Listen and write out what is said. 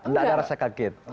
nggak ada rasa kaget